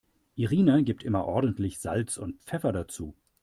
Irina gibt immer ordentlich Salz und Pfeffer dazu.